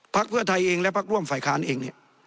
เพื่อไทยเองและพักร่วมฝ่ายค้านเองเนี่ย